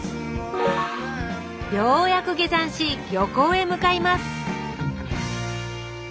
ようやく下山し漁港へ向かいます